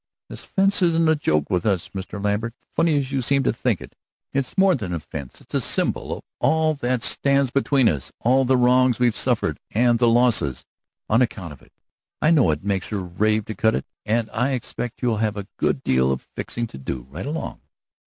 "This fence isn't any joke with us, Mr. Lambert, funny as you seem to think it. It's more than a fence, it's a symbol of all that stands between us, all the wrongs we've suffered, and the losses, on account of it. I know it makes her rave to cut it, and I expect you'll have a good deal of fixing to do right along."